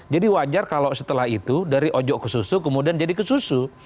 jadi wajar kalau setelah itu dari ojok ke susu kemudian jadi ke susu